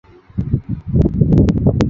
太原街站为地下岛式站台。